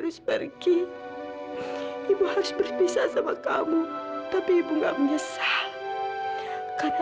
riz pergi ibu harus berpisah sama kamu tapi ibu enggak menyesal karena